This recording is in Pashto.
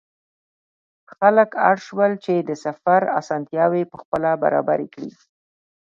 خلک اړ شول چې د سفر اسانتیاوې پخپله برابرې کړي.